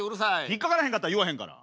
引っ掛からへんかったら言わへんから。